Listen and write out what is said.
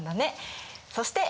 そして。